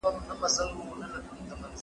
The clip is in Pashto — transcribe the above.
کله رېږدم له یخنیه کله سوځم له ګرمیه